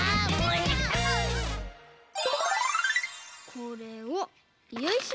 これをよいしょ！